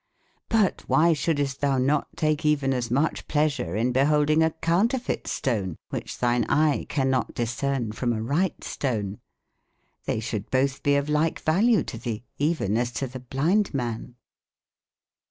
But wby sbouldest tbou not take even asmucbe pleasure in beboldynge a counterfeitestone, wbicbe tbine eye can/ not discerne from arigbte stone? Tbey sboulde botbe be of lyke value to tbee, even as to tbe blynde man.